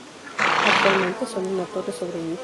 Actualmente, sólo una torre sobrevive.